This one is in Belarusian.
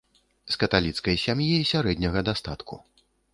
З каталіцкай сям'і сярэдняга дастатку.